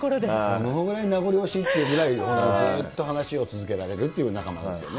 どのぐらい名残惜しいっていうぐらいずっと話を続けられる仲間なんですよね。